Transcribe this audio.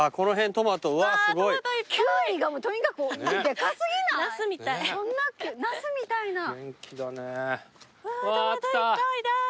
トマトいっぱいだ。